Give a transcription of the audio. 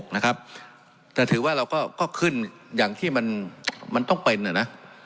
นะครับแต่ถือว่าเราก็ขึ้นอย่างที่มันต้องเป็นอ่ะนะ